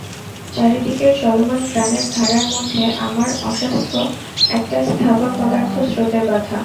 চারিদিকের চলমান প্রাণের ধারার মধ্যে আমার অস্বাস্থ্য একটা স্থাবর পদার্থ, স্রোতের বাধা।